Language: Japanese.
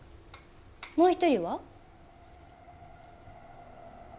もう一人は？